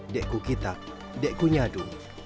deku kitak deku nyadu